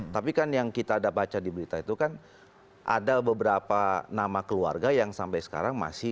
tapi kan yang kita ada baca di berita itu kan ada beberapa nama keluarga yang sampai sekarang masih